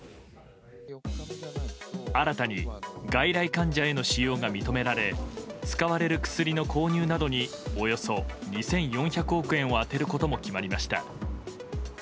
新たに外来患者への使用が認められ使われる薬の購入などにおよそ２４００億円を充てることも決まりました。